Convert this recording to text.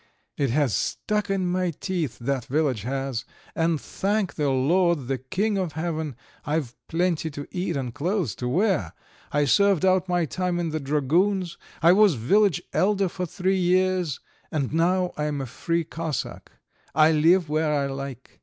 It has stuck in my teeth, that village has, and thank the Lord, the King of Heaven, I've plenty to eat and clothes to wear, I served out my time in the dragoons, I was village elder for three years, and now I am a free Cossack, I live where I like.